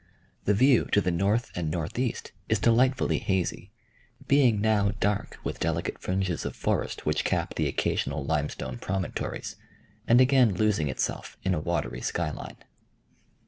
The view to the north and northeast is delightfully hazy, being now dark with delicate fringes of forest which cap the occasional limestone promontories, and again losing itself in a watery sky line.